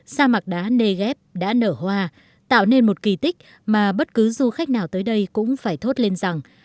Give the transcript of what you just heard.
sa mạc đá negev đã nở hoa tạo nên một kỳ tích mà bất cứ du khách nào tới đây cũng phải thốt lên rằng